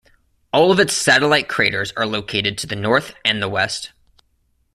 All of its satellite craters are located to the north and the west.